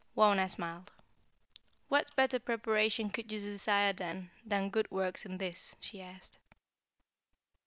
Wauna smiled. "What better preparation could you desire, then, than good works in this?" she asked.